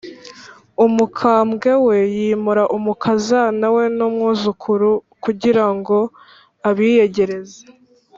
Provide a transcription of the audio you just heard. umukambwe we yimura umukazana we n'umwuzukuru kugira ngo abiyegereze